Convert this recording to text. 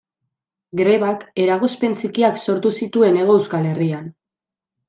Grebak eragozpen txikiak sortu zituen Hego Euskal Herrian.